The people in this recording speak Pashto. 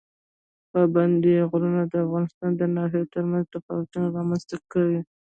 پابندی غرونه د افغانستان د ناحیو ترمنځ تفاوتونه رامنځ ته کوي.